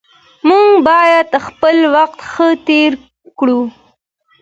موږ باید خپل وخت ښه تیر کړو